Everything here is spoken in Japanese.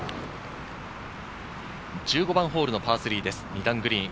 １５番ホールのパー３です、２段グリーン。